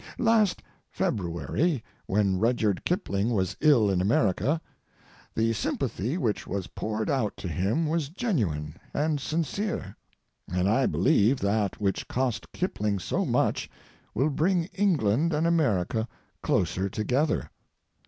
Last February, when Rudyard Kipling was ill in America, the sympathy which was poured out to him was genuine and sincere, and I believe that which cost Kipling so much will bring England and America closer together.